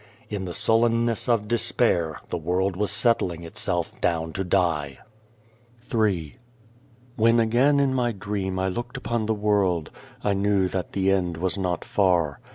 In the sullenness of despair the world was settling itself down to die. 275 Ill WHEN again in my dream I looked upon the world, I knew that the end was not far.